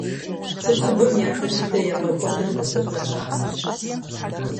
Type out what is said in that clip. Цӏыхубэм япэ дыдэ яфӏэкӏуэдыр мазэцӏэхэрщ.